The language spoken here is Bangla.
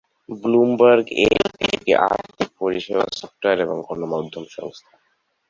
ব্লুমবার্গ এলপি, একটি আর্থিক পরিষেবা, সফটওয়্যার এবং গণমাধ্যম সংস্থা।